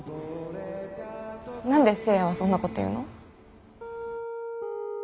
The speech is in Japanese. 何で誠也はそんなこと言うの？